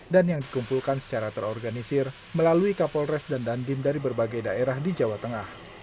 dan yang dikumpulkan secara terorganisir melalui kapolres dan dandim dari berbagai daerah di jawa tengah